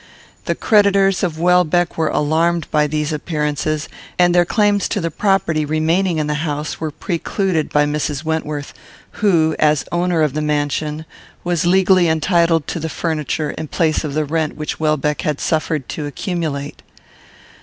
The creditors of Welbeck were alarmed by these appearances, and their claims to the property remaining in the house were precluded by Mrs. Wentworth, who, as owner of the mansion, was legally entitled to the furniture, in place of the rent which Welbeck had suffered to accumulate.